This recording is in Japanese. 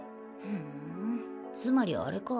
ふんつまりあれか。